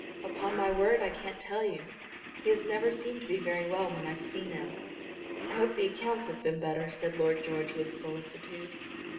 "Upon my word I can't tell you. He has never seemed to be very well when I've seen him." "I hope the accounts have been better," said Lord George, with solicitude.